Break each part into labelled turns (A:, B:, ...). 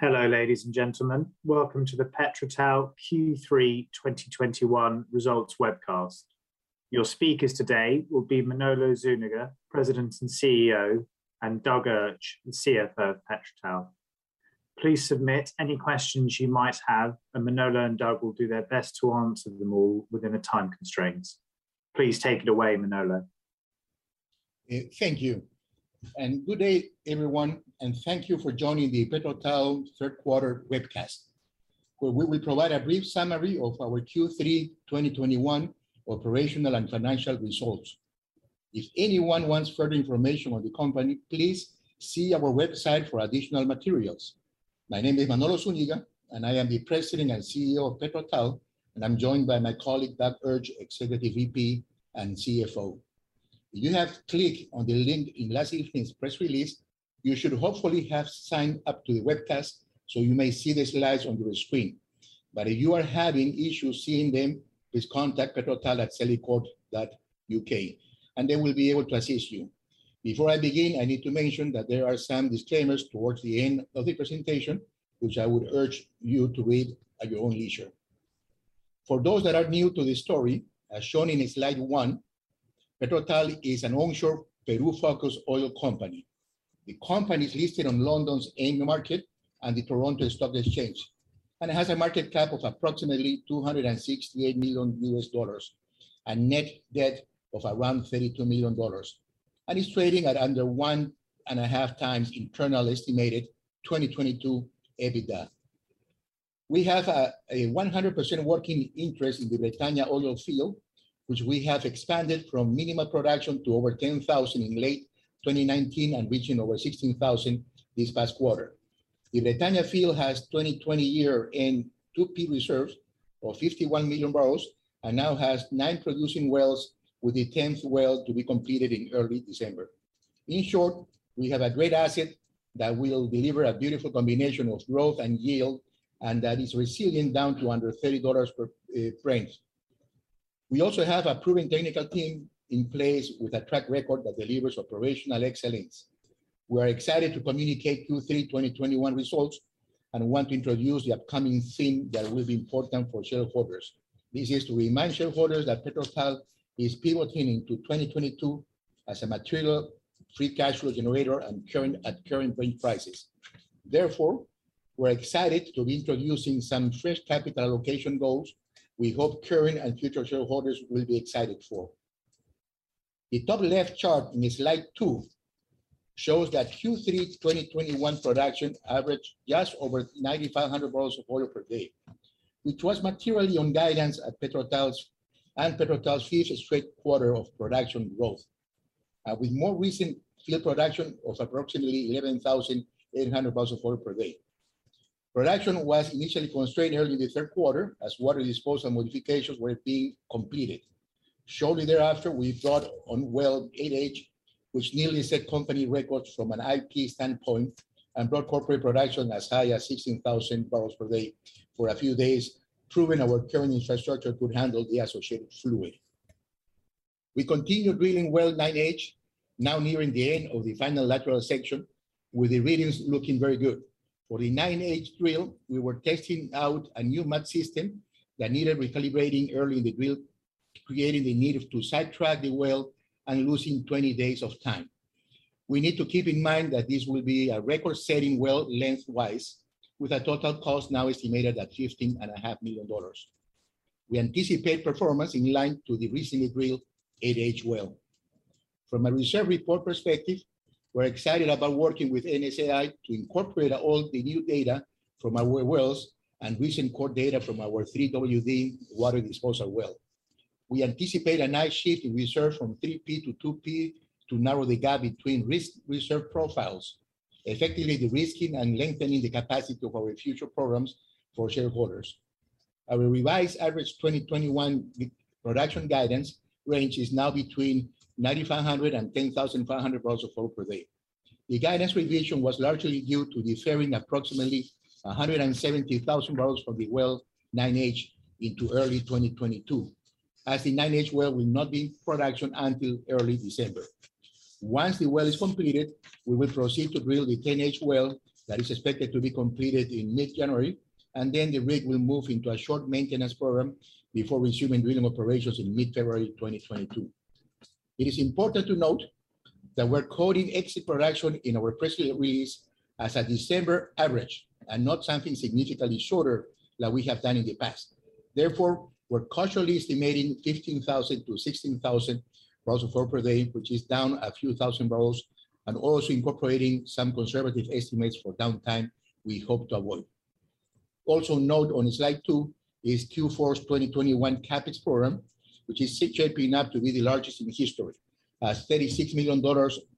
A: Hello, ladies and gentlemen. Welcome to the PetroTal Q3 2021 results webcast. Your speakers today will be Manolo Zúñiga-Pflücker, President and CEO, and Douglas Urch, the CFO of PetroTal. Please submit any questions you might have, and Manolo and Doug will do their best to answer them all within the time constraints. Please take it away, Manolo.
B: Thank you. Good day, everyone, and thank you for joining the PetroTal third quarter webcast, where we will provide a brief summary of our Q3 2021 operational and financial results. If anyone wants further information on the company, please see our website for additional materials. My name is Manolo Zúñiga-Pflücker, and I am the President and CEO of PetroTal, and I'm joined by my colleague, Douglas Urch, Executive VP and CFO. If you have clicked on the link in last evening's press release, you should hopefully have signed up to the webcast, so you may see the slides on your screen. If you are having issues seeing them, please contact petrotal@celicour.co.uk and they will be able to assist you. Before I begin, I need to mention that there are some disclaimers towards the end of the presentation, which I would urge you to read at your own leisure. For those that are new to this story, as shown in slide one, PetroTal is an onshore Peru-focused oil company. The company is listed on London's AIM market and the Toronto Stock Exchange, and it has a market cap of approximately $268 million and net debt of around $32 million, and is trading at under 1.5 times internal estimated 2022 EBITDA. We have a 100% working interest in the Bretaña oil field, which we have expanded from minimal production to over 10,000 in late 2019 and reaching over 16,000 this past quarter. The Bretaña field has 2020 year-end 2P reserves of 51 million barrels, and now has nine producing wells, with the 10th well to be completed in early December. In short, we have a great asset that will deliver a beautiful combination of growth and yield, and that is resilient down to under $30 per price. We also have a proven technical team in place with a track record that delivers operational excellence. We are excited to communicate Q3 2021 results and want to introduce the upcoming theme that will be important for shareholders. This is to remind shareholders that PetroTal is pivoting to 2022 as a material free cash flow generator at current rate prices. Therefore, we're excited to be introducing some fresh capital allocation goals we hope current and future shareholders will be excited for. The top left chart in slide 2 shows that Q3 2021 production averaged just over 9,500 barrels of oil per day, which was materially on guidance at PetroTal's fifth straight quarter of production growth, with more recent current production of approximately 11,800 barrels of oil per day. Production was initially constrained early in the third quarter as water disposal modifications were being completed. Shortly thereafter, we brought on well 8H, which nearly set company records from an IP standpoint and brought corporate production as high as 16,000 barrels per day for a few days, proving our current infrastructure could handle the associated fluid. We continued drilling well 9H, now nearing the end of the final lateral section, with the readings looking very good. For the 9H drill, we were testing out a new mud system that needed recalibrating early in the drill, creating the need to sidetrack the well and losing 20 days of time. We need to keep in mind that this will be a record-setting well lengthwise, with a total cost now estimated at $15.5 million. We anticipate performance in line to the recently drilled 8H well. From a reserve report perspective, we're excited about working with NSAI to incorporate all the new data from our wells and recent core data from our 3WD water disposal well. We anticipate a nice shift in reserve from 3P to 2P to narrow the gap between reserve profiles, effectively de-risking and lengthening the capacity of our future programs for shareholders. Our revised average 2021 production guidance range is now between 9,500 and 10,500 barrels of oil per day. The guidance revision was largely due to deferring approximately 170,000 barrels from the well 9H into early 2022, as the 9H well will not be in production until early December. Once the well is completed, we will proceed to drill the 10H well that is expected to be completed in mid-January, and then the rig will move into a short maintenance program before resuming drilling operations in mid-February 2022. It is important to note that we're quoting exit production in our press release as a December average and not something significantly shorter like we have done in the past. Therefore, we're cautiously estimating 15,000-16,000 barrels of oil per day, which is down a few thousand barrels, and also incorporating some conservative estimates for downtime we hope to avoid. Also note on slide two is Q4's 2021 CapEx program, which is shaping up to be the largest in history, at $36 million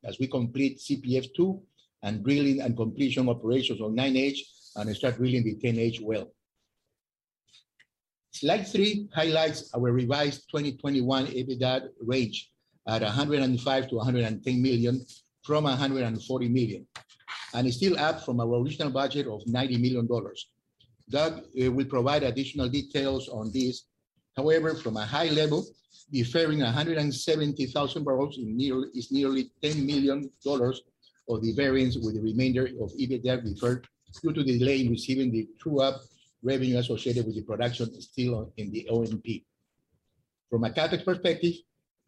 B: as we complete CPF2 and drilling and completion operations on 9H and start drilling the 10H well. Slide three highlights our revised 2021 EBITDA range at $105 million-$110 million from $140 million, and it's still up from our original budget of $90 million. Doug will provide additional details on this. However, from a high level, the difference of 170,000 barrels in inventory is nearly $10 million of the variance with the remainder of EBITDA deferred due to delay in receiving the true-up revenue associated with the production still in the ONP. From a CapEx perspective,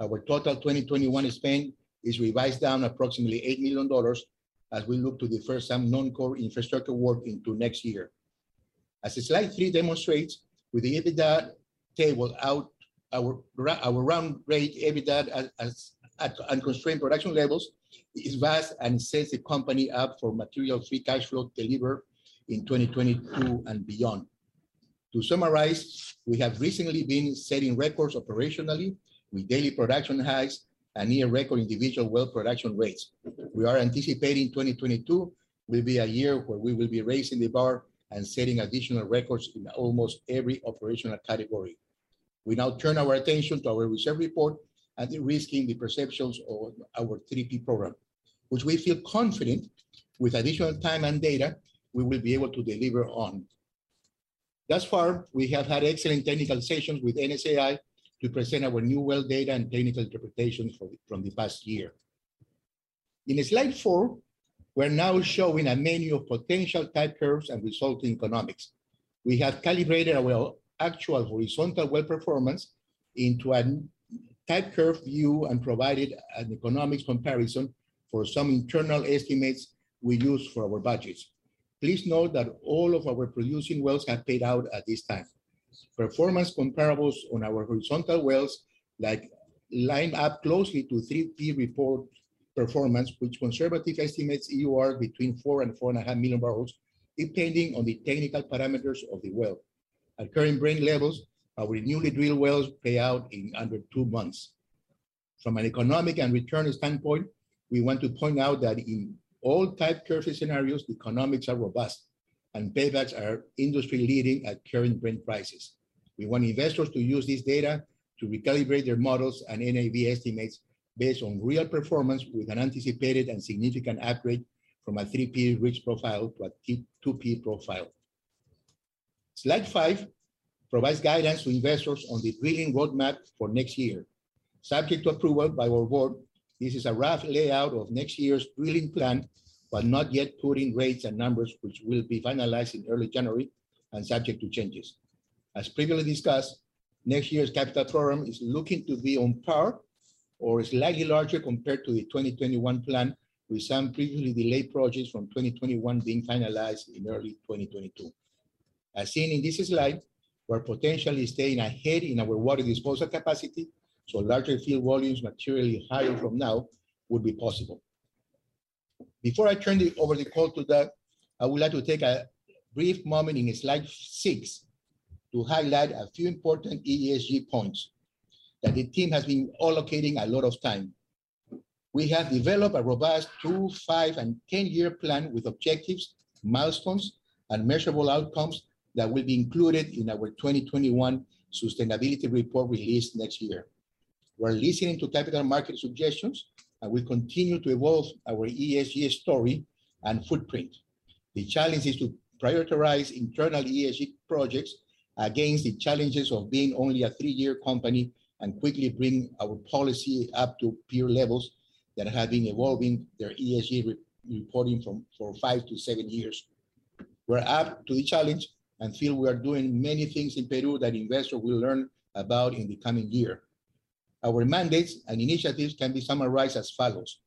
B: our total 2021 spend is revised down approximately $8 million as we look to defer some non-core infrastructure work into next year. As slide 3 demonstrates, with the EBITDA table out, our run rate EBITDA as at unconstrained production levels is vast and sets the company up for material free cash flow delivery in 2022 and beyond. To summarize, we have recently been setting records operationally with daily production highs and near-record individual well production rates. We are anticipating 2022 will be a year where we will be raising the bar and setting additional records in almost every operational category. We now turn our attention to our reserve report and de-risking the perceptions of our 3P program, which we feel confident, with additional time and data, we will be able to deliver on. Thus far, we have had excellent technical sessions with NSAI to present our new well data and technical interpretations from the past year. In slide 4, we're now showing a menu of potential type curves and resulting economics. We have calibrated our well actual horizontal well performance into a type curve view and provided an economics comparison for some internal estimates we use for our budgets. Please note that all of our producing wells have paid out at this time. Performance comparables on our horizontal wells, like, line up closely to 3P report performance, which conservative estimates EUR between 4 and 4.5 million barrels, depending on the technical parameters of the well. At current rate levels, our newly drilled wells pay out in under two months. From an economic and return standpoint, we want to point out that in all type curves and scenarios, the economics are robust, and paybacks are industry-leading at current Brent prices. We want investors to use this data to recalibrate their models and NAV estimates based on real performance with an anticipated and significant upgrade from a 3P risk profile to a 2P profile. Slide 5 provides guidance to investors on the drilling roadmap for next year. Subject to approval by our board, this is a rough layout of next year's drilling plan, but not yet putting rates and numbers, which will be finalized in early January and subject to changes. As previously discussed, next year's capital program is looking to be on par or slightly larger compared to the 2021 plan, with some previously delayed projects from 2021 being finalized in early 2022. As seen in this slide, we're potentially staying ahead in our water disposal capacity, so larger fluid volumes materially higher from now would be possible. Before I turn over the call to Doug, I would like to take a brief moment on slide 6 to highlight a few important ESG points that the team has been allocating a lot of time. We have developed a robust two-, five-, and 10-year plan with objectives, milestones, and measurable outcomes that will be included in our 2021 sustainability report released next year. We're listening to capital market suggestions, and we continue to evolve our ESG story and footprint. The challenge is to prioritize internal ESG projects against the challenges of being only a three-year company and quickly bringing our policy up to peer levels that have been evolving their ESG re-reporting from 5-7 years. We're up to the challenge and feel we are doing many things in Peru that investors will learn about in the coming year. Our mandates and initiatives can be summarized as follows.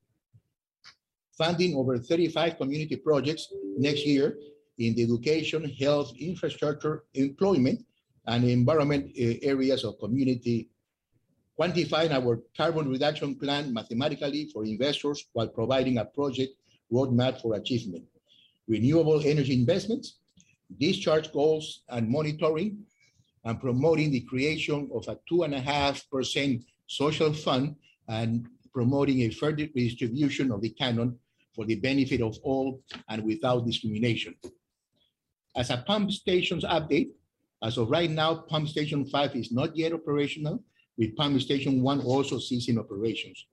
B: Funding over 35 community projects next year in the education, health, infrastructure, employment, and environment areas of community. Quantifying our carbon reduction plan mathematically for investors while providing a project roadmap for achievement. Renewable energy investments, discharge goals, and monitoring, and promoting the creation of a 2.5% social fund, and promoting a fair distribution of the Canon for the benefit of all and without discrimination. As a pump stations update, as of right now, Pump Station 5 is not yet operational, with Pump Station 1 also ceasing operations.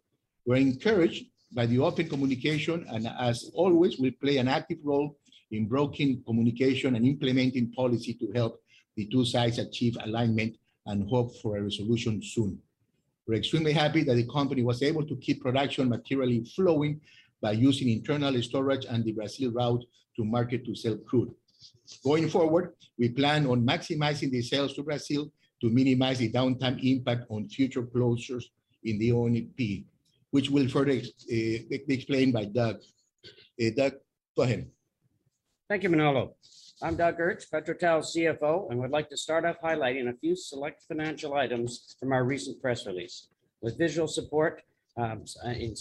B: We're encouraged by the open communication, and as always, we play an active role in brokering communication and implementing policy to help the two sides achieve alignment and hope for a resolution soon. We're extremely happy that the company was able to keep production materially flowing by using internal storage and the Brazil route to market to sell crude. Going forward, we plan on maximizing the sales to Brazil to minimize the downtime impact on future closures in the ONP, which will further be explained by Douglas Urch. Douglas Urch, go ahead.
C: Thank you, Manolo. I'm Doug Urch, PetroTal's CFO, and would like to start off highlighting a few select financial items from our recent press release. With visual support in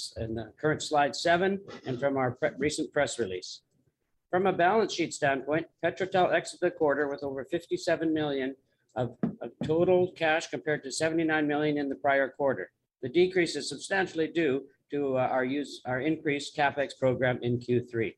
C: current slide seven, and from our recent press release. From a balance sheet standpoint, PetroTal exited the quarter with over $57 million of total cash compared to $79 million in the prior quarter. The decrease is substantially due to our increased CapEx program in Q3.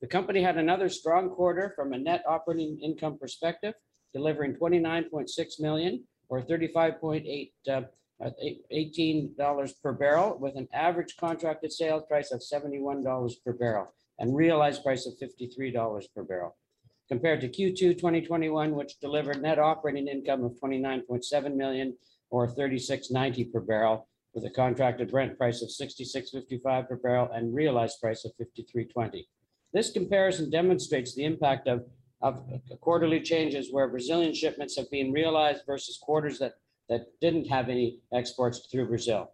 C: The company had another strong quarter from a net operating income perspective, delivering $29.6 million or $35.88 per barrel with an average contracted sales price of $71 per barrel and realized price of $53 per barrel. Compared to Q2 2021, which delivered net operating income of $29.7 million or $36.90 per barrel with a contracted Brent price of $66.55 per barrel and realized price of $53.20. This comparison demonstrates the impact of quarterly changes where Bretaña shipments have been realized versus quarters that didn't have any exports through Bretaña,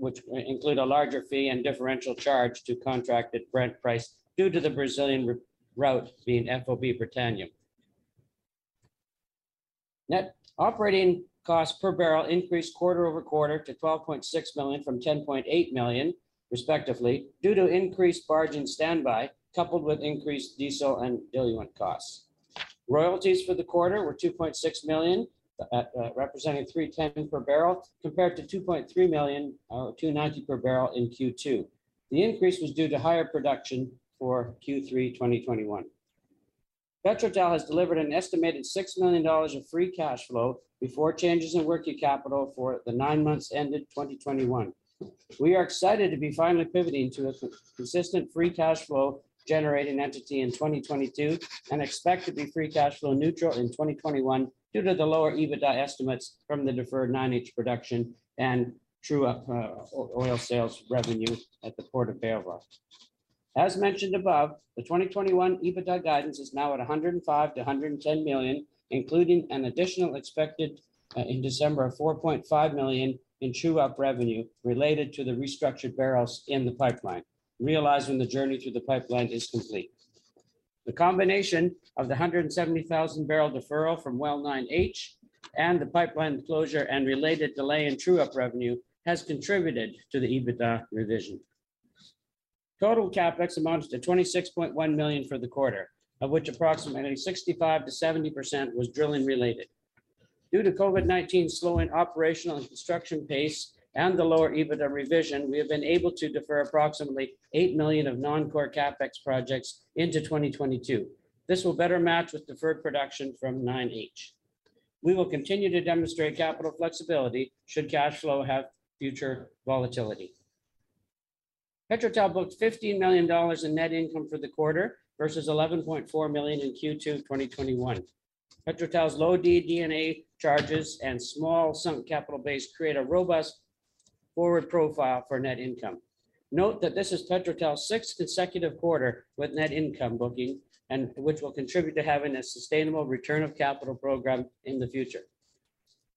C: which include a larger fee and differential charge to contracted Brent price due to the Bretaña route being FOB Bretaña. Net operating costs per barrel increased quarter-over-quarter to $12.6 million from $10.8 million respectively, due to increased barge and standby, coupled with increased diesel and diluent costs. Royalties for the quarter were $2.6 million, representing 3.10 per barrel, compared to $2.3 million, 2.90 per barrel in Q2. The increase was due to higher production for Q3 2021. PetroTal has delivered an estimated $6 million of free cash flow before changes in working capital for the nine months ended 2021. We are excited to be finally pivoting to a consistent free cash flow generating entity in 2022 and expect to be free cash flow neutral in 2021 due to the lower EBITDA estimates from the deferred 9H production and true up oil sales revenue at the port of Bayóvar. As mentioned above, the 2021 EBITDA guidance is now at $105 million-$110 million, including an additional expected in December of $4.5 million in true up revenue related to the restructured barrels in the pipeline, realizing the journey through the pipeline is complete. The combination of the 170,000-barrel deferral from well 9H and the pipeline closure and related delay in true up revenue has contributed to the EBITDA revision. Total CapEx amounts to $26.1 million for the quarter, of which approximately 65%-70% was drilling-related. Due to COVID-19 slowing operational and construction pace and the lower EBITDA revision, we have been able to defer approximately $8 million of non-core CapEx projects into 2022. This will better match with deferred production from 9H. We will continue to demonstrate capital flexibility should cash flow have future volatility. PetroTal booked $15 million in net income for the quarter versus $11.4 million in Q2 2021. PetroTal's low DD&A charges and small sunk capital base create a robust forward profile for net income. Note that this is PetroTal's sixth consecutive quarter with net income booking and which will contribute to having a sustainable return of capital program in the future.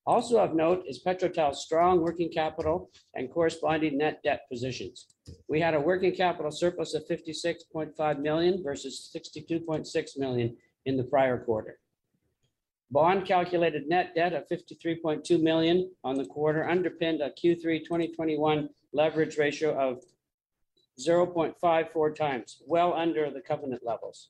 C: Also of note is PetroTal's strong working capital and corresponding net debt positions. We had a working capital surplus of $56.5 million versus $62.6 million in the prior quarter. Bond calculated net debt of $53.2 million on the quarter underpinned a Q3 2021 leverage ratio of 0.54 times, well under the covenant levels.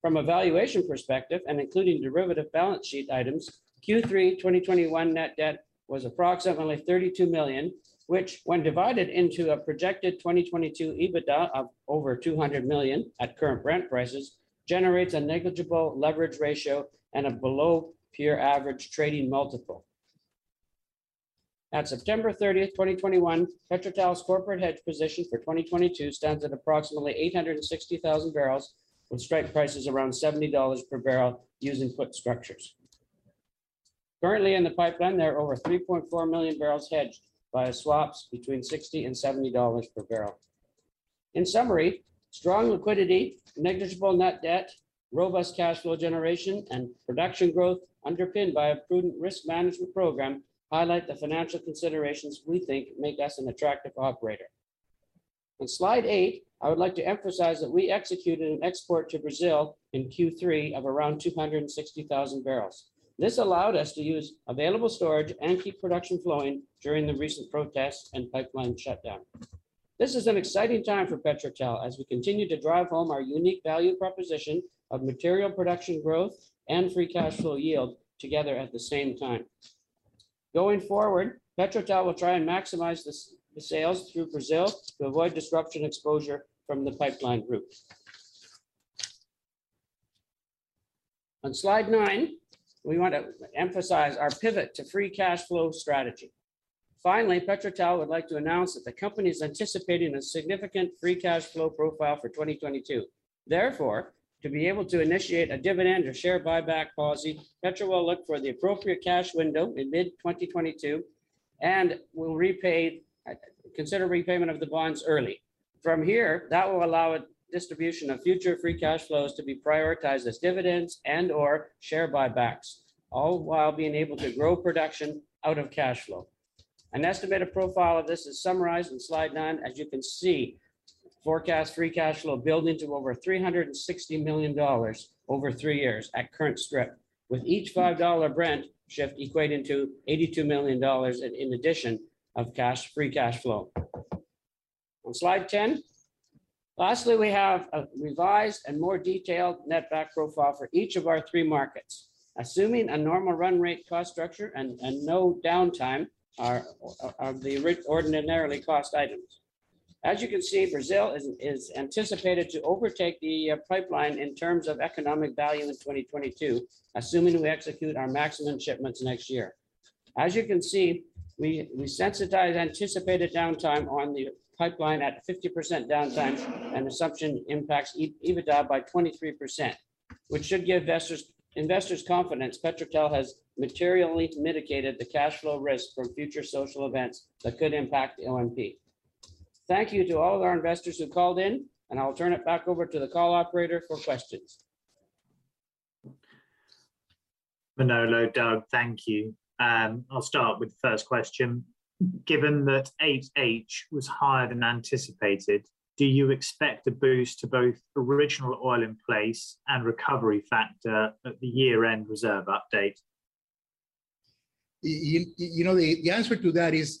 C: From a valuation perspective, and including derivative balance sheet items, Q3 2021 net debt was approximately $32 million, which when divided into a projected 2022 EBITDA of over $200 million at current Brent prices, generates a negligible leverage ratio and a below-peer average trading multiple. At September 30, 2021, PetroTal's corporate hedge position for 2022 stands at approximately 860,000 barrels, with strike prices around $70 per barrel using put structures. Currently in the pipeline, there are over 3.4 million barrels hedged via swaps between $60 and $70 per barrel. In summary, strong liquidity, negligible net debt, robust cash flow generation, and production growth underpinned by a prudent risk management program highlight the financial considerations we think make us an attractive operator. On slide 8, I would like to emphasize that we executed an export to Brazil in Q3 of around 260,000 barrels. This allowed us to use available storage and keep production flowing during the recent protests and pipeline shutdown. This is an exciting time for PetroTal as we continue to drive home our unique value proposition of material production growth and free cash flow yield together at the same time. Going forward, PetroTal will try and maximize the sales through Brazil to avoid disruption exposure from the pipeline route. On slide 9, we want to emphasize our pivot to free cash flow strategy. Finally, PetroTal would like to announce that the company is anticipating a significant free cash flow profile for 2022. Therefore, to be able to initiate a dividend or share buyback policy, PetroTal will look for the appropriate cash window in mid-2022 and will repay, consider repayment of the bonds early. From here, that will allow a distribution of future free cash flows to be prioritized as dividends and/or share buybacks, all while being able to grow production out of cash flow. An estimated profile of this is summarized in Slide 9. As you can see, forecast free cash flow building to over $360 million over three years at current strip, with each $5 Brent shift equating to $82 million in addition of cash, free cash flow. On Slide 10, lastly, we have a revised and more detailed netback profile for each of our three markets. Assuming a normal run rate cost structure and no downtime are the ordinary cost items. As you can see, Bretaña is anticipated to overtake the pipeline in terms of economic value in 2022, assuming we execute our maximum shipments next year. As you can see, we sensitized anticipated downtime on the pipeline at 50% downtime, and assumption impacts EBITDA by 23%, which should give investors confidence PetroTal has materially mitigated the cash flow risk from future social events that could impact ONP. Thank you to all of our investors who called in, and I will turn it back over to the call operator for questions.
A: Manolo, Doug, thank you. I'll start with the first question. Given that 8H was higher than anticipated, do you expect a boost to both original oil in place and recovery factor at the year-end reserve update?
B: You know, the answer to that is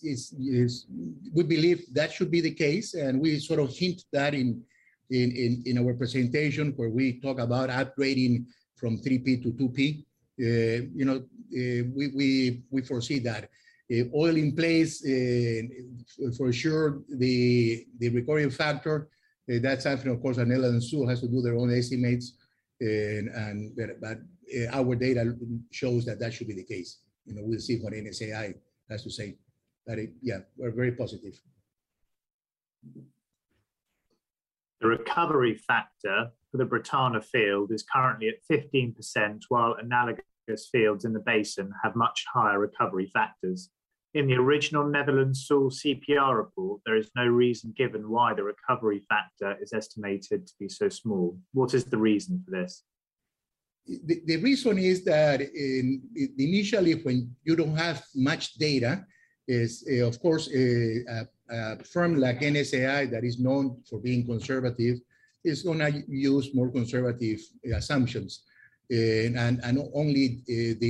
B: we believe that should be the case, and we sort of hint that in our presentation where we talk about upgrading from 3P to 2P. You know, we foresee that. Oil in place, for sure, the recovery factor. That's something of course Netherland Sewell has to do their own estimates, but our data shows that should be the case. You know, we'll see what NSAI has to say. Yeah, we're very positive.
A: The recovery factor for the Bretaña field is currently at 15% while analogous fields in the basin have much higher recovery factors. In the original Netherland, Sewell CPR report, there is no reason given why the recovery factor is estimated to be so small. What is the reason for this?
B: The reason is that initially when you don't have much data, of course, a firm like NSAI that is known for being conservative is gonna use more conservative assumptions. The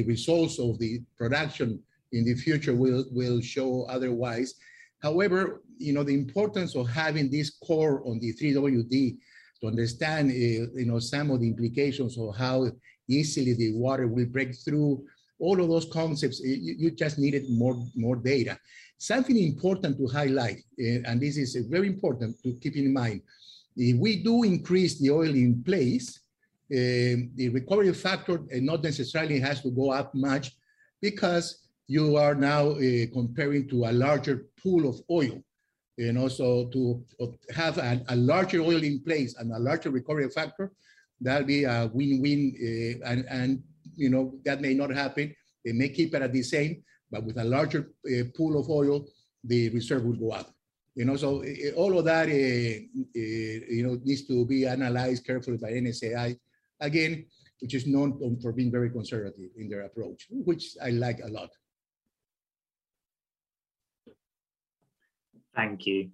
B: results of the production in the future will show otherwise. However, you know, the importance of having this core on the 3WD to understand, you know, some of the implications of how easily the water will break through, all of those concepts, you just needed more data. Something important to highlight. This is very important to keep in mind. If we do increase the oil in place, the recovery factor not necessarily has to go up much because you are now comparing to a larger pool of oil. You know, to have a larger oil in place and a larger recovery factor, that'll be a win-win, and you know, that may not happen. They may keep it at the same, but with a larger pool of oil, the reserve will go up. You know, all of that you know needs to be analyzed carefully by NSAI, again, which is known for being very conservative in their approach, which I like a lot.
A: Thank you.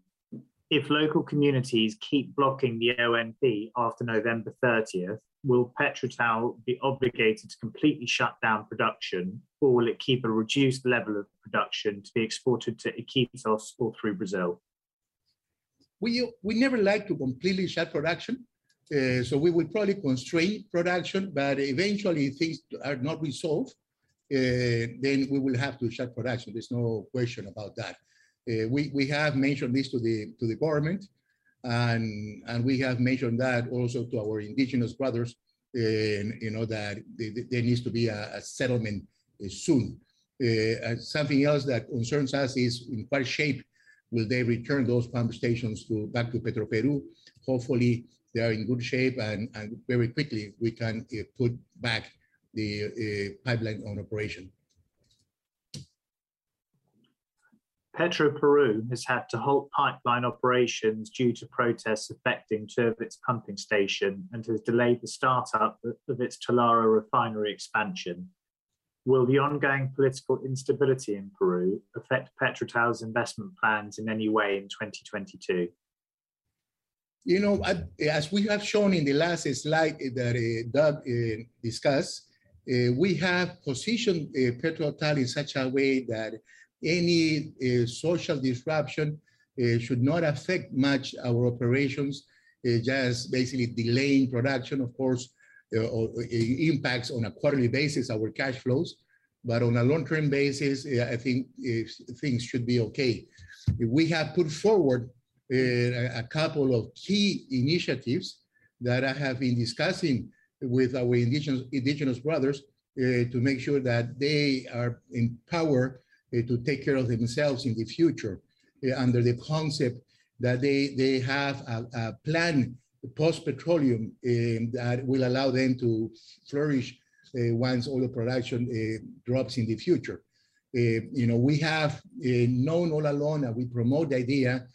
A: If local communities keep blocking the ONP after November thirtieth, will PetroTal be obligated to completely shut down production, or will it keep a reduced level of production to be exported to Iquitos or through Brazil?
B: We never like to completely shut production, so we would probably constrain production. Eventually if things are not resolved, then we will have to shut production. There's no question about that. We have mentioned this to the government and we have mentioned that also to our indigenous brothers, you know, that there needs to be a settlement soon. Something else that concerns us is in what shape will they return those pump stations to, back to Petroperú. Hopefully, they are in good shape and very quickly we can put back the pipeline into operation.
A: Petroperú has had to halt pipeline operations due to protests affecting two of its pumping stations and has delayed the startup of its Talara refinery expansion. Will the ongoing political instability in Peru affect PetroTal's investment plans in any way in 2022?
B: You know, as we have shown in the last slide that Doug discussed, we have positioned PetroTal in such a way that any social disruption should not affect much our operations, just basically delaying production of course, or impacts on a quarterly basis our cash flows. On a long-term basis, I think things should be okay. We have put forward a couple of key initiatives that I have been discussing with our indigenous brothers to make sure that they are empowered to take care of themselves in the future under the concept that they have a plan post petroleum that will allow them to flourish once oil production drops in the future. You know, we have known all along that we promote the idea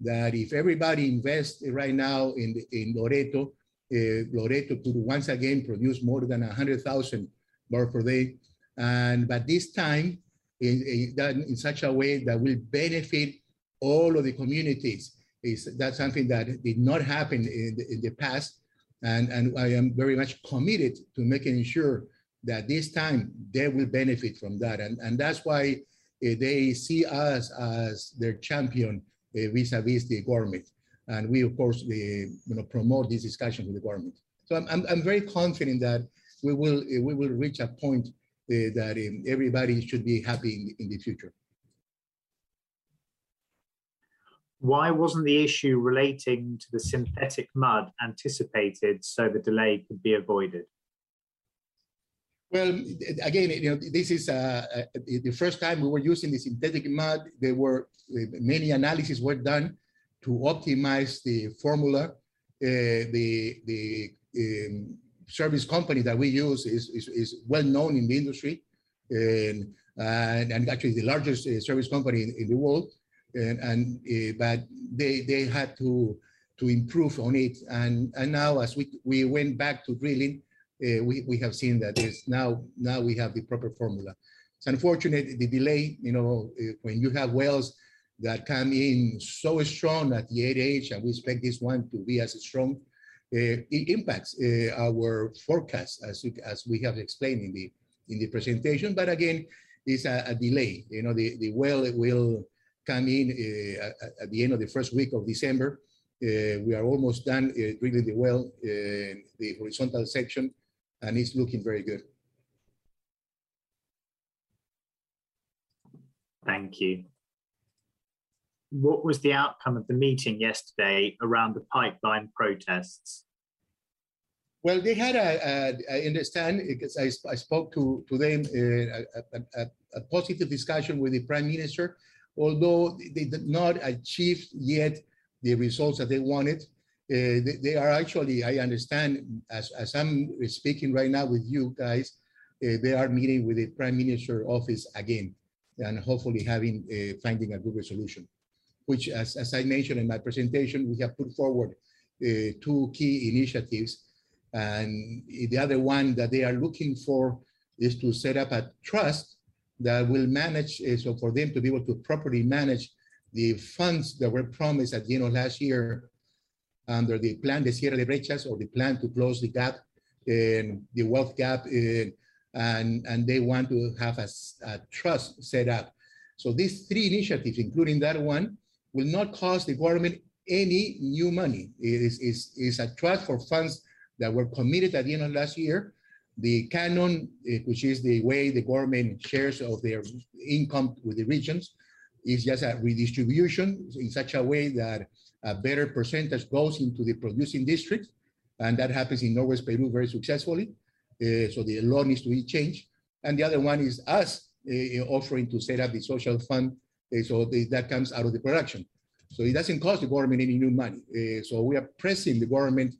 B: that if everybody invests right now in Loreto could once again produce more than 100,000 barrels per day and this time done in such a way that will benefit all of the communities. That's something that did not happen in the past and I am very much committed to making sure that this time they will benefit from that. That's why they see us as their champion vis-a-vis the government. We of course, you know, promote this discussion with the government. I'm very confident that we will reach a point that everybody should be happy in the future.
A: Why wasn't the issue relating to the synthetic mud anticipated so the delay could be avoided?
B: Well, again, you know, this is the first time we were using the synthetic mud. There were many analyses done to optimize the formula. The service company that we use is well-known in the industry, and actually the largest service company in the world. But they had to improve on it, and now as we went back to drilling, we have seen that now we have the proper formula. It's unfortunate the delay, you know, when you have wells that come in so strong at the IP, and we expect this one to be as strong, it impacts our forecast as we have explained in the presentation. Again, it's a delay. You know, the well will come in at the end of the first week of December. We are almost done drilling the well, the horizontal section, and it's looking very good.
A: Thank you. What was the outcome of the meeting yesterday around the pipeline protests?
B: Well, I understand, because I spoke to them, a positive discussion with the prime minister. Although they did not achieve yet the results that they wanted, they are actually, I understand as I'm speaking right now with you guys, they are meeting with the prime minister's office again, and hopefully finding a good resolution. Which, as I mentioned in my presentation, we have put forward two key initiatives, and the other one that they are looking for is to set up a trust that will manage For them to be able to properly manage the funds that were promised at the end of last year under the plan this year, the breaches or the plan to close the gap, the wealth gap, and they want to have a trust set up. These three initiatives, including that one, will not cost the government any new money. It's a trust for funds that were committed at the end of last year. The Canon, which is the way the government shares of their income with the regions, is just a redistribution in such a way that a better percentage goes into the producing districts, and that happens in northwest Peru very successfully. The law needs to be changed. The other one is us offering to set up a social fund, so the... that comes out of the production. It doesn't cost the government any new money. We are pressing the government,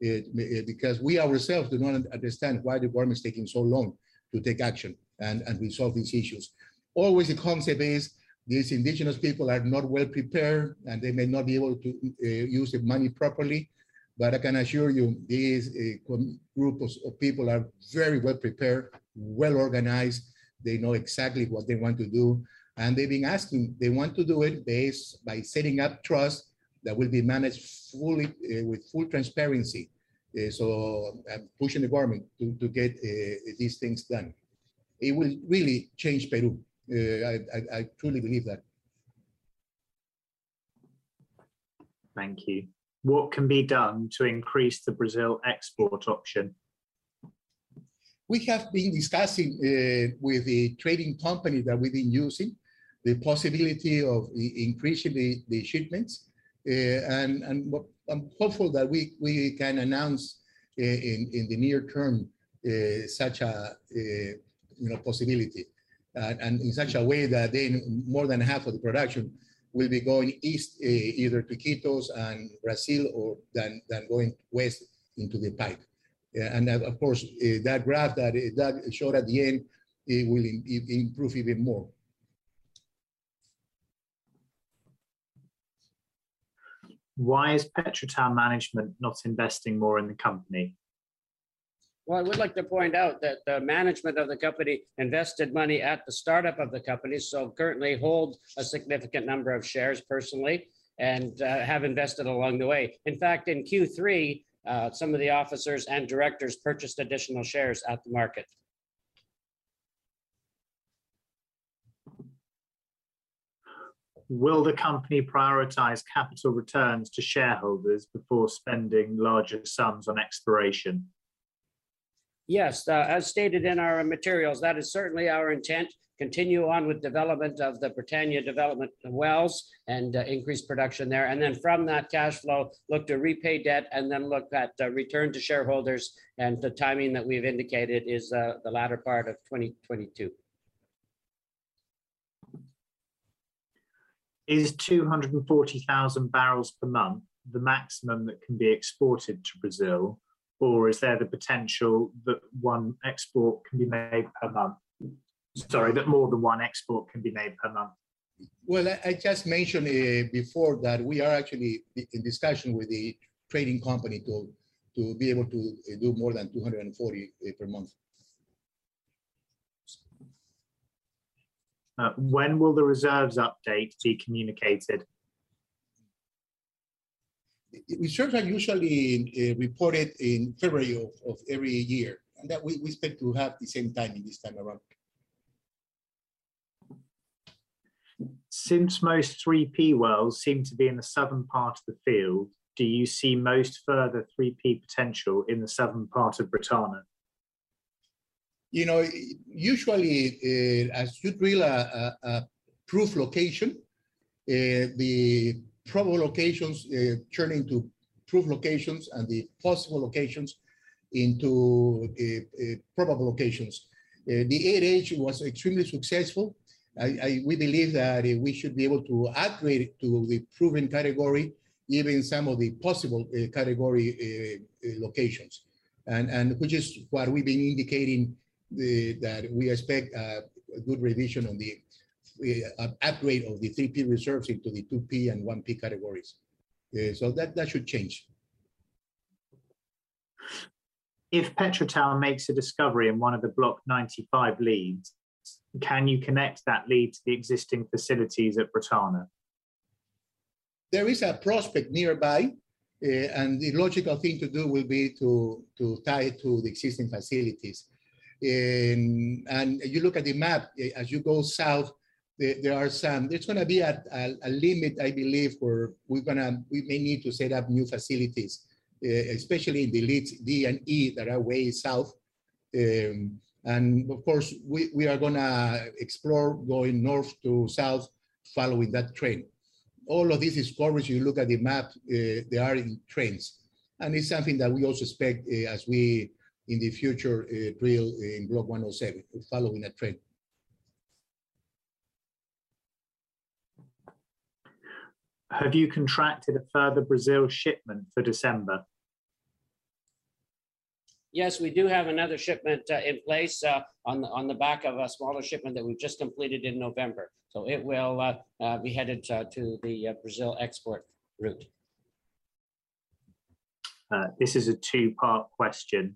B: because we ourselves do not understand why the government's taking so long to take action and resolve these issues. Always the concept is these indigenous people are not well prepared, and they may not be able to use the money properly. I can assure you, this group of people are very well prepared, well organized, they know exactly what they want to do, and they've been asking. They want to do it by setting up trust that will be managed fully with full transparency. I'm pushing the government to get these things done. It will really change Peru. I truly believe that.
A: Thank you. What can be done to increase the Brazil export option?
B: We have been discussing with the trading company that we've been using the possibility of increasing the shipments. I'm hopeful that we can announce in the near term such a you know possibility. In such a way that then more than half of the production will be going east either to Iquitos and Brazil or than going west into the pipe. That, of course, that graph that Doug showed at the end, it will improve even more.
A: Why is PetroTal management not investing more in the company?
C: Well, I would like to point out that the management of the company invested money at the startup of the company, so currently hold a significant number of shares personally and have invested along the way. In fact, in Q3, some of the officers and directors purchased additional shares at the market.
A: Will the company prioritize capital returns to shareholders before spending larger sums on exploration?
C: Yes. As stated in our materials, that is certainly our intent. Continue on with development of the Bretaña development wells and increase production there. From that cash flow, look to repay debt and then look at return to shareholders, and the timing that we've indicated is the latter part of 2022.
A: Is 240,000 barrels per month the maximum that can be exported to Brazil? Or is there the potential that one export can be made per month? Sorry, that more than one export can be made per month?
B: Well, I just mentioned before that we are actually in discussion with the trading company to be able to do more than 240 per month.
A: When will the reserves update be communicated?
B: Reserves are usually reported in February of every year. That we expect to have the same timing this time around.
A: Since most 3P wells seem to be in the southern part of the field, do you see most further 3P potential in the southern part of Bretaña?
B: You know, usually, as you drill a proved location, the probable locations, they turn into proved locations and the possible locations into probable locations. The 8H was extremely successful. We believe that we should be able to upgrade it to the proved category, giving some of the possible category locations and which is why we've been indicating that we expect a good revision on an upgrade of the 3P reserves into the 2P and 1P categories. That should change.
A: If PetroTal makes a discovery in one of the Block 95 leads, can you connect that lead to the existing facilities at Bretaña?
B: There is a prospect nearby, and the logical thing to do will be to tie it to the existing facilities. You look at the map, as you go south, there are some. There's gonna be a limit, I believe, where we may need to set up new facilities, especially the leads D and E that are way south. Of course, we are gonna explore going north to south following that trend. All of these explorers, you look at the map, they are in trends. It's something that we also expect, as we in the future drill in Block 107, following that trend.
A: Have you contracted a further Brazil shipment for December?
C: Yes, we do have another shipment in place on the back of a smaller shipment that we've just completed in November. It will be headed to the Brazil export route.
A: This is a two-part question.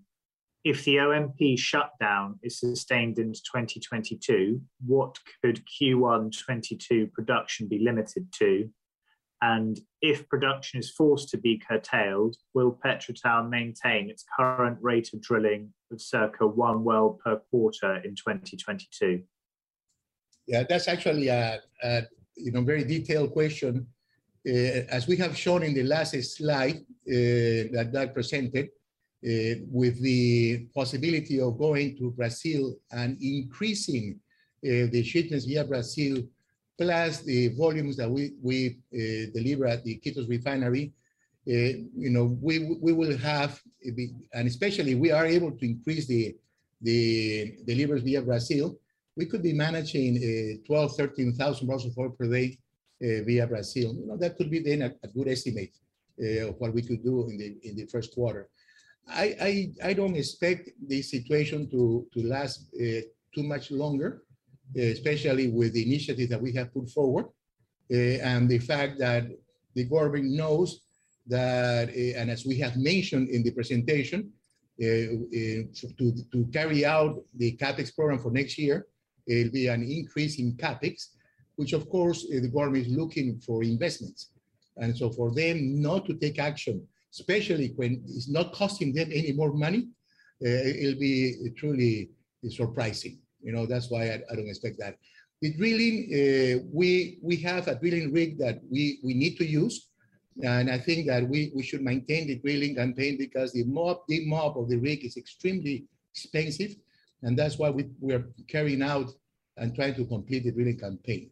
A: If the ONP shutdown is sustained into 2022, what could Q1 2022 production be limited to? If production is forced to be curtailed, will PetroTal maintain its current rate of drilling of circa one well per quarter in 2022?
B: Yeah. That's actually a you know, very detailed question. As we have shown in the last slide that Doug presented, with the possibility of going to Brazil and increasing the shipments via Brazil, plus the volumes that we deliver at the Iquitos refinery, you know, we will have. And especially we are able to increase the deliveries via Brazil, we could be managing 12,000-13,000 barrels of oil per day via Brazil. You know, that could be then a good estimate of what we could do in the first quarter. I don't expect the situation to last too much longer, especially with the initiative that we have put forward and the fact that the government knows that. As we have mentioned in the presentation, to carry out the CapEx program for next year, it'll be an increase in CapEx, which of course the government is looking for investments. For them not to take action, especially when it's not costing them any more money, it'll be truly surprising. You know, that's why I don't expect that. The drilling, we have a drilling rig that we need to use. I think that we should maintain the drilling campaign because the mob of the rig is extremely expensive, and that's why we're carrying out and trying to complete the drilling campaign.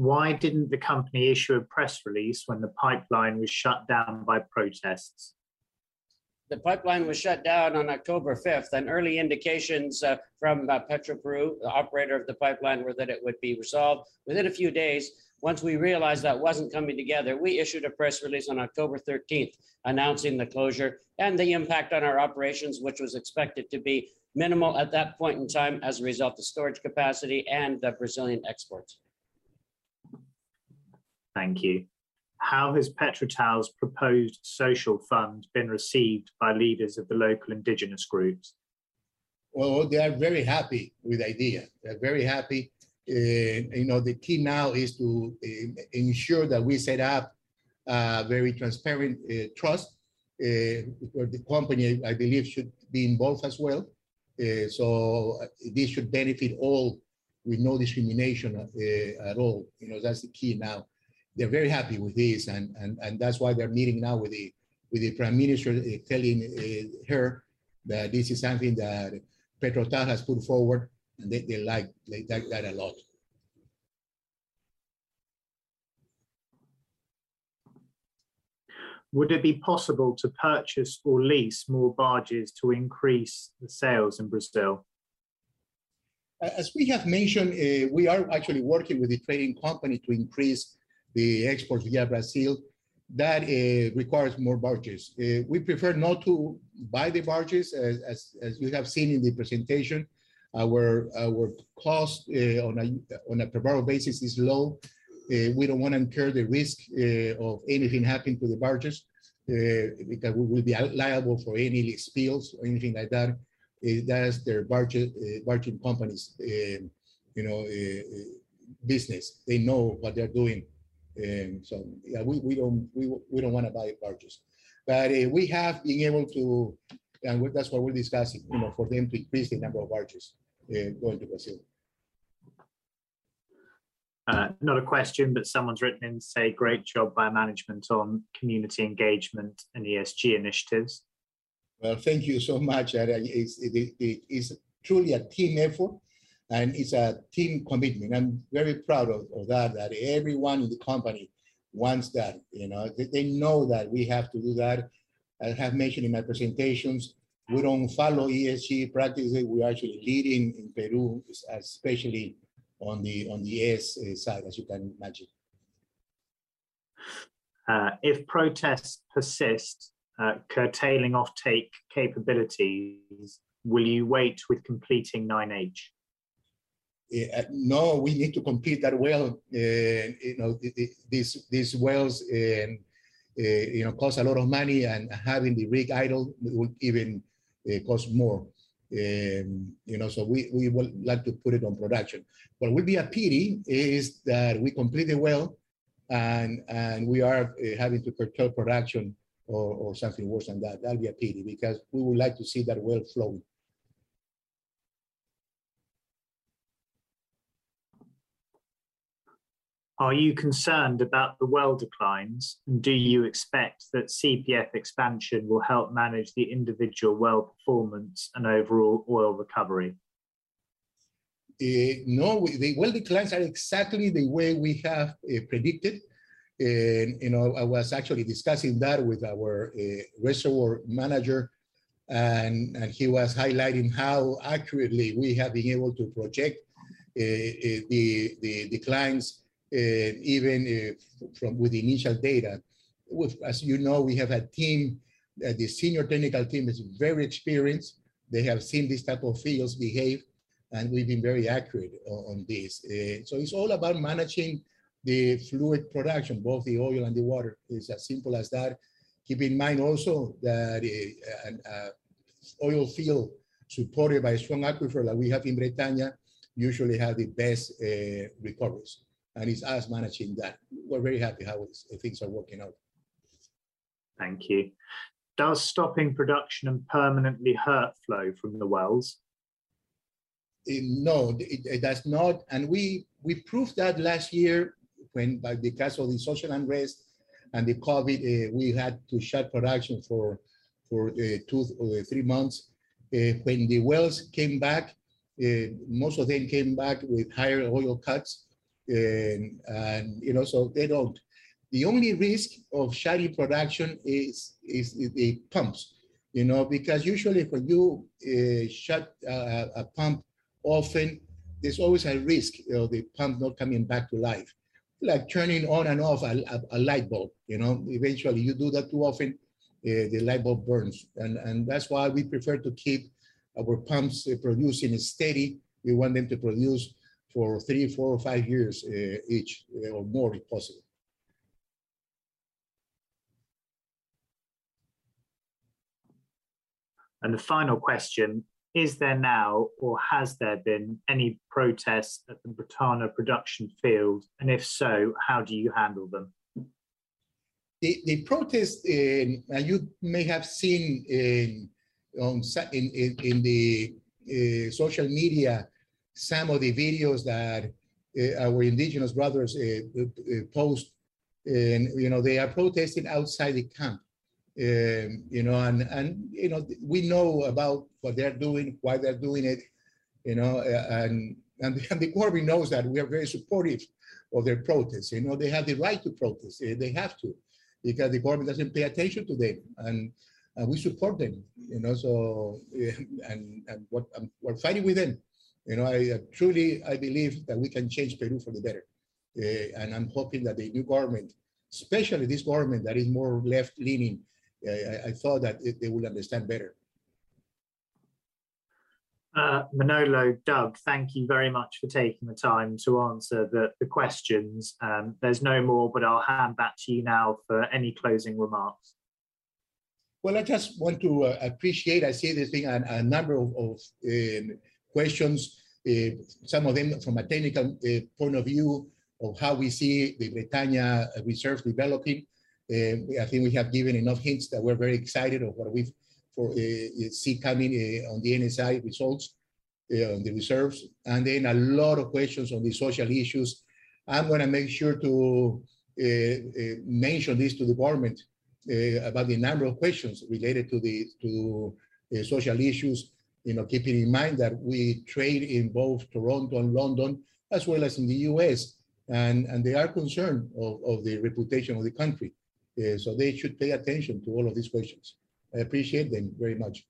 A: Why didn't the company issue a press release when the pipeline was shut down by protests?
C: The pipeline was shut down on October fifth, and early indications from Petroperú, the operator of the pipeline, were that it would be resolved within a few days. Once we realized that wasn't coming together, we issued a press release on October thirteenth announcing the closure and the impact on our operations, which was expected to be minimal at that point in time as a result of storage capacity and the Brazilian exports.
A: Thank you. How has PetroTal's proposed social fund been received by leaders of the local indigenous groups?
B: Well, they are very happy with the idea. They're very happy. You know, the key now is to ensure that we set up a very transparent trust where the company, I believe, should be involved as well. This should benefit all with no discrimination at all. You know, that's the key now. They're very happy with this and that's why they're meeting now with the prime minister, telling her that this is something that PetroTal has put forward, and they like that a lot.
A: Would it be possible to purchase or lease more barges to increase the sales in Brazil?
B: As we have mentioned, we are actually working with a trading company to increase the exports via Brazil. That requires more barges. We prefer not to buy the barges as you have seen in the presentation. Our cost on a per barrel basis is low. We don't wanna incur the risk of anything happening to the barges because we'll be liable for any spills or anything like that. That is the barge companies' you know business. They know what they're doing. Yeah, we don't wanna buy barges. We have been able to, and that's what we're discussing you know for them to increase the number of barges going to Brazil.
A: Not a question, but someone's written in to say, "Great job by management on community engagement and ESG initiatives.
B: Well, thank you so much. That, it's truly a team effort, and it's a team commitment. I'm very proud of that everyone in the company wants that, you know. They know that we have to do that. I have mentioned in my presentations, we don't follow ESG practices, we're actually leading in Peru, especially on the S side, as you can imagine.
A: If protests persist, curtailing offtake capabilities, will you wait with completing 9H?
B: No, we need to complete that well. You know, these wells cost a lot of money. Having the rig idle would even cost more. You know, we would like to put it on production. What would be a pity is that we complete the well and we are having to curtail production or something worse than that. That'll be a pity, because we would like to see that well flowing.
A: Are you concerned about the well declines? Do you expect that CPF expansion will help manage the individual well performance and overall oil recovery?
B: No, the well declines are exactly the way we have predicted. You know, I was actually discussing that with our reservoir manager and he was highlighting how accurately we have been able to project the declines even with the initial data. As you know, we have a team, the senior technical team is very experienced. They have seen these type of fields behave, and we've been very accurate on this. It's all about managing the fluid production, both the oil and the water. It's as simple as that. Keep in mind also that an oil field supported by a strong aquifer that we have in Bretaña usually have the best recoveries, and it's us managing that. We're very happy how things are working out.
A: Thank you. Does stopping production permanently hurt flow from the wells?
B: No, it does not. We proved that last year when because all the social unrest and the COVID, we had to shut production for two, three months. When the wells came back, most of them came back with higher oil cuts, you know, so they don't. The only risk of shutting production is the pumps, you know? Because usually if we do shut a pump often, there's always a risk of the pump not coming back to life. Like turning on and off a light bulb, you know. Eventually you do that too often, the light bulb burns. That's why we prefer to keep our pumps producing steady. We want them to produce for three, four, five years each, or more if possible.
A: The final question, is there now, or has there been any protests at the Bretaña production field? And if so, how do you handle them?
B: The protests. You may have seen on social media some of the videos that our indigenous brothers post. You know, they are protesting outside the camp. You know, we know about what they're doing, why they're doing it, you know. The government knows that. We are very supportive of their protests. You know, they have the right to protest. They have to because the government doesn't pay attention to them, and we support them. You know, we're fighting with them. You know, I truly believe that we can change Peru for the better. I'm hoping that the new government, especially this government that is more left-leaning. I thought that they would understand better.
A: Manolo, Doug, thank you very much for taking the time to answer the questions. There's no more, but I'll hand back to you now for any closing remarks.
B: Well, I just want to appreciate. I see there's been a number of questions, some of them from a technical point of view of how we see the Bretaña reserves developing. I think we have given enough hints that we're very excited about what we foresee coming on the NSAI results on the reserves. Then a lot of questions on the social issues. I'm gonna make sure to mention this to the government about the number of questions related to the social issues. You know, keeping in mind that we trade in both Toronto and London, as well as in the U.S., and they are concerned about the reputation of the country. So they should pay attention to all of these questions. I appreciate them very much.